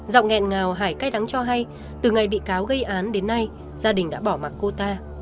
giọng nghẹn ngào hải cay đắng cho hay từ ngày bị cáo gây án đến nay gia đình đã bỏ mặt cô ta